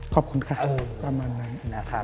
ขอบคุณค่ะ